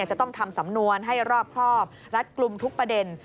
จะต้องทำสำนวนให้รอบครอบรัดกลุ่มทุกประเด็น